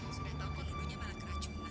sudah tahu kan nudunya malah keracunan